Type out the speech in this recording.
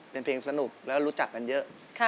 เป็นเพลงสนุกแล้วรู้จักกันเยอะ